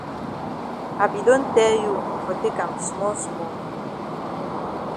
I be don tell you for take am small small.